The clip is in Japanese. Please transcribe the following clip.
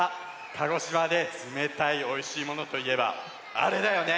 鹿児島でつめたいおいしいものといえばあれだよね！